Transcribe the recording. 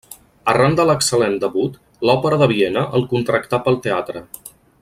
Arran de l'excel·lent debut, l’Òpera de Viena el contractà pel teatre.